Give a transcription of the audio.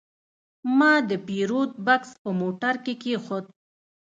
ما د پیرود بکس په موټر کې کېښود.